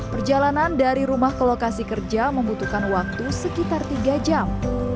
perjalanan dari rumah ke lokasi kerja membutuhkan waktu sekitar tiga jam